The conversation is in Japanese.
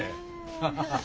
アハハハ。